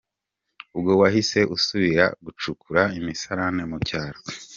Ubwo wahise usubira gucukura imisarane mu cyaro?.